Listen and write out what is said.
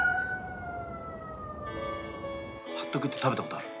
ハットグって食べたことある？